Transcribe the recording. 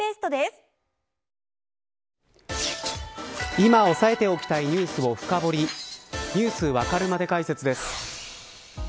今押さえておきたいニュースを深掘りニュースわかるまで解説です。